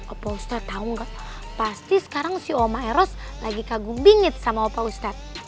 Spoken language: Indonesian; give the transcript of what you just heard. opah ustadz tau gak pasti sekarang si oma eros lagi kagum bingit sama opah ustadz